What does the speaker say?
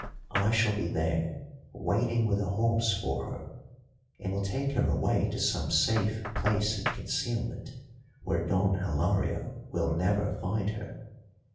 I shall be there waiting with a horse for her, and will take her away to some safe place of concealment where Don Hilario will never find her.